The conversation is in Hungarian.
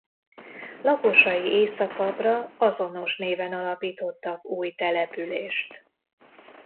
Lakosai északabbra azonos néven alapítottak új települést.